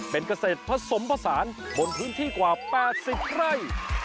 เป็นเกษตรผสมผสานบนพื้นที่กว่า๘๐ไร่